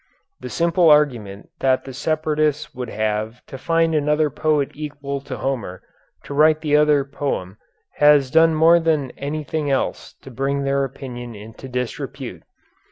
The simple argument that the separatists would have to find another poet equal to Homer to write the other poem has done more than anything else to bring their opinion into disrepute.